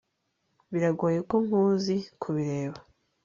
biragoye ko nkuzi kubireba